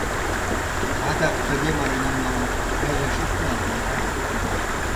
Адак тыге манмемлан нелеш ит нал, йӧра?